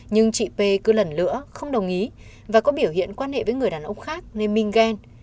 nhưng chị p cứ lần nữa không đồng ý và có biểu hiện quan hệ với người đàn ông khác nên minh ghen